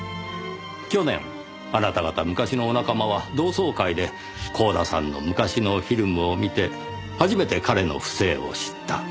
去年あなた方昔のお仲間は同窓会で光田さんの昔のフィルムを見て初めて彼の不正を知った。